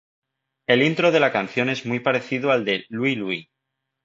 El intro de la canción es muy parecido al de "Louie Louie".